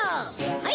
はい！